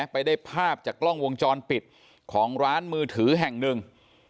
ไปได้ภาพจากกล้องวงจรปิดของร้านมือถือแห่งหนึ่ง